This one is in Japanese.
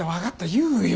言うよ。